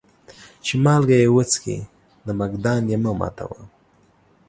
چي مالگه يې وڅکې ، نمک دان يې مه ماتوه.